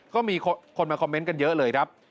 ก็มีคนมาคอมเมนต์กันเยอะเลยครับ